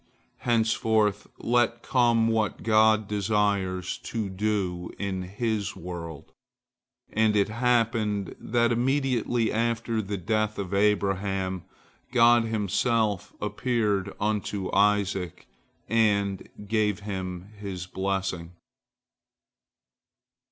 Henceforth let come what God desires to do in His world," and it happened that immediately after the death of Abraham God Himself appeared unto Isaac, and gave him His blessing.